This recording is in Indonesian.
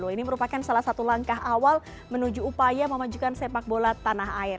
ini merupakan salah satu langkah awal menuju upaya memajukan sepak bola tanah air